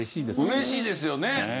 嬉しいですよね。